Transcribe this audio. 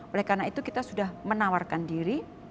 oleh karena itu kita sudah menawarkan diri